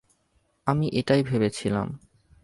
আমি এটাই ভেবেছিলাম।